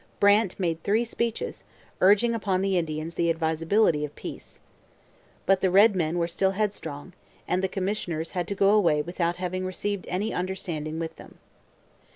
Brant made three speeches, urging upon the Indians the advisability of peace. But the red men were still headstrong, and the commissioners had to go away without having reached any understanding with them.